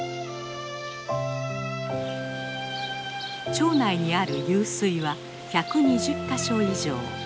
町内にある湧水は１２０か所以上。